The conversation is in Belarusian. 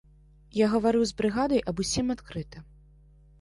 Я гаварыў з брыгадай аб усім адкрыта.